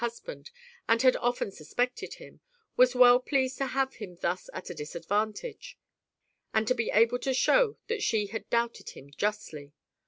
3 husband and had often suspected him, was well pleased to have him thus at a disadvantage, and to be able to show that she had doubted him justly.